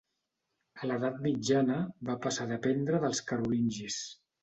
A l'Edat Mitjana va passar a dependre dels carolingis.